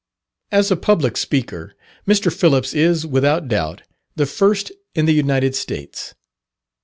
As a public speaker, Mr. Phillips is, without doubt, the first in the United States.